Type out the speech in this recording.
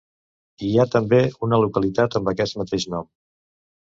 Hi ha també una localitat amb aquest mateix nom.